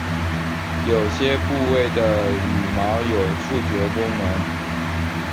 有些部位的羽毛有触觉功能。